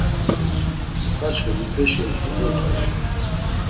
Uǩaçxe mipeşi ort̆u dot̆ǩu.